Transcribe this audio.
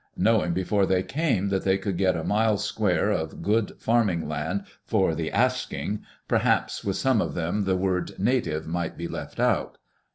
Knowing before they came that they could get a mile square of good farming land for the asking, perhaps with some of them the word "native" might be left out.